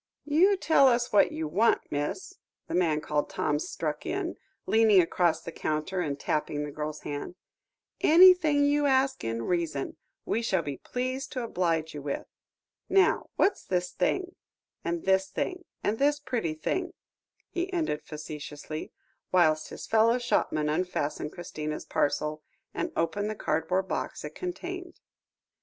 "You tell us what you want, miss," the man called Tom struck in, leaning across the counter, and tapping the girl's hand; "anything you ask in reason we shall be pleased to oblige you with. Now, what's this thing, and this thing, and this very pretty thing?" he ended facetiously, whilst his fellow shopman unfastened Christina's parcel, and opened the cardboard box it contained.